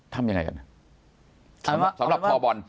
ทำยังไงกันสำหรับคอบอล